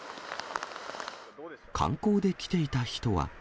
観光で来ていた人は。